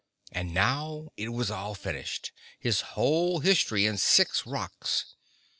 And now it was finished—his whole history in six rocks.